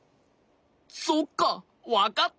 そっかわかった！